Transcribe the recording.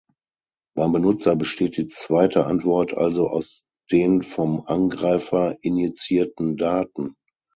Beim Benutzer besteht die zweite Antwort also aus den vom Angreifer injizierten Daten.